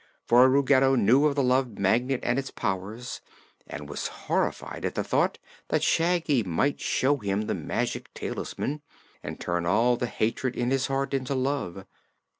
For Ruggedo knew of the Love Magnet and its powers and was horrified at the thought that Shaggy might show him the magic talisman and turn all the hatred in his heart into love.